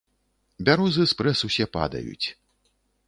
Бярозы спрэс усе падаюць.